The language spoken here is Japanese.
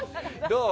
どう？